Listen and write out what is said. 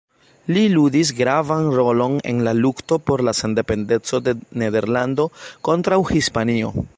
Li ludis gravan rolon en la lukto por la sendependeco de Nederlando kontraŭ Hispanio.